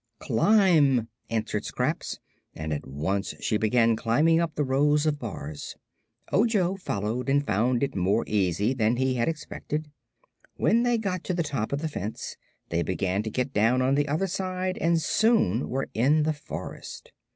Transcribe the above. "Climb," answered Scraps, and at once she began climbing up the rows of bars. Ojo followed and found it more easy than he had expected. When they got to the top of the fence they began to get down on the other side and soon were in the forest.